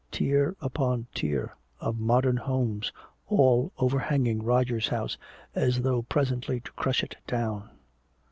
Tier upon tier of modern homes, all overhanging Roger's house as though presently to crush it down.